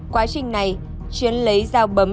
quá trình này chiến lấy ra cự cãi nhuần đã đánh anh n